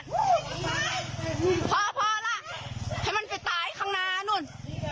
พ่อพอล่ะให้มันไปตายข้างหน้านู่น